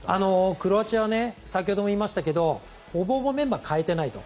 クロアチアは先ほども言いましたがほぼほぼメンバーを代えていないと。